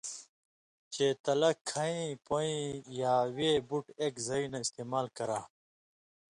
چے تلہ کھَیں پویں یاں وے بُٹ اېک زئ نہ استعمال کراں۔